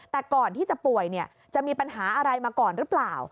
แต่ก่อนที่จะป่วยจะมีปัญหาอะไรมาก่อนหรือเปล่า